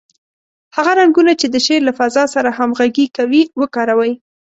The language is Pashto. هغه رنګونه چې د شعر له فضا سره همغږي کوي، وکاروئ.